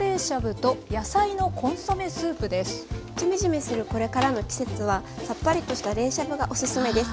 じめじめするこれからの季節はさっぱりとした冷しゃぶがおすすめです。